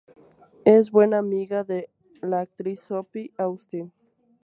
Es buena amiga de la actriz Sophie Austin.